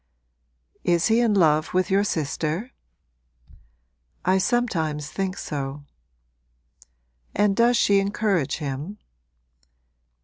'Is he in love with your sister?' 'I sometimes think so.' 'And does she encourage him?'